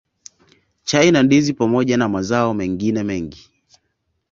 Chai na Ndizi pamoja na mazao mengine mengi